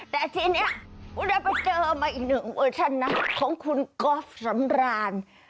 แต่ทีนี้คุณได้ไปเจอมาอีกหนึ่งเวอร์ชันนะของคุณก๊อฟสำราน